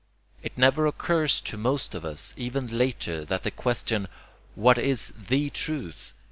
It never occurs to most of us even later that the question 'what is THE truth?'